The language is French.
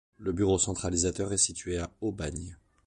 Le bureau centralisateur est situé à Aubagne.